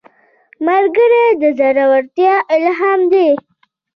ملګری د زړورتیا الهام دی